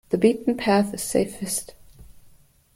The beaten path is safest.